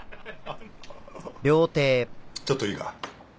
ちょっといいか？